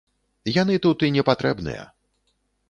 Яны тут і не патрэбныя.